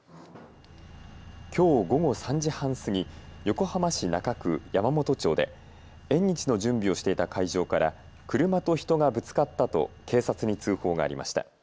きょう午後３時半過ぎ、横浜市中区山元町で縁日の準備をしていた会場から車と人がぶつかったと警察に通報がありました。